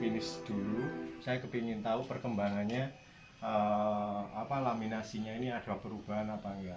klinish dulu saya ingin tahu perkembangannya apa laminasinya ini ada perubahan apa enggak